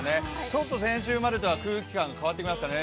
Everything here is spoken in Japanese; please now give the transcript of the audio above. ちょっと先週までとは空気感変わってきましたね。